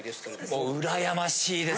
うらやましいです。